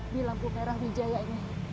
di lampu merah wijaya ini depan tendean juga